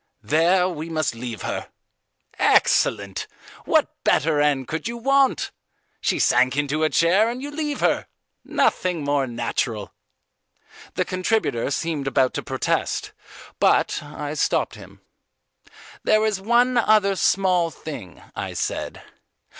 There we must leave her!' Excellent! What better end could you want? She sank into a chair and you leave her. Nothing more natural." The contributor seemed about to protest. But I stopped him. "There is one other small thing," I said.